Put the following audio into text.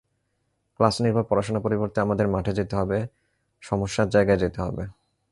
ক্লাসনির্ভর পড়াশোনার পরিবর্তে আমাদের মাঠে যেতে হবে, সমস্যার জায়গায় যেতে হবে।